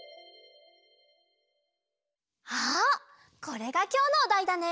これがきょうのおだいだね！